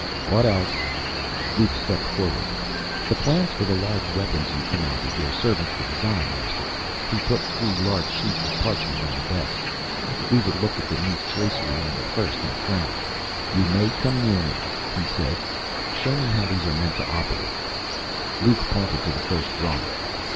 "What else?" Luke stepped forward. "The plans for the large weapons You commanded Your servants to design, Master." He put three large sheets of parchment on the desk. Weaver looked at the neat tracery on the first, and frowned. "You may come near Me," He said. "Show Me how these are meant to operate." Luke pointed to the first drawing.